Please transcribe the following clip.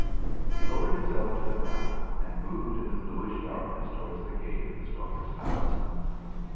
He lowered himself to the ground, and moved in the bluish darkness towards the gate of his daughter's house.